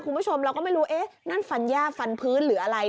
คุณผู้ชมเราก็ไม่รู้เอ๊ะนั่นฟันย่าฟันพื้นหรืออะไร